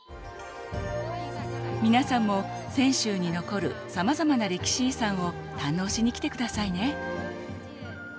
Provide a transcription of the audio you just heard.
皆さんも泉州に残るさまざまな歴史遺産を堪能しに来てくださいね。